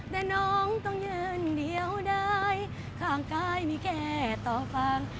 แต่น้องต้องยืนเดียวได้ข้างกายมีแค่ต่อฟัง